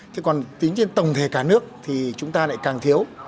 thế còn tính trên tổng thể cả nước thì chúng ta lại càng thiếu